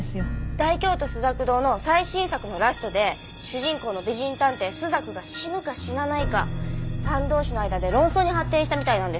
『大京都朱雀堂』の最新作のラストで主人公の美人探偵朱雀が死ぬか死なないかファン同士の間で論争に発展したみたいなんです。